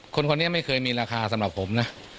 คนนี้ไม่เคยมีราคาสำหรับผมนะ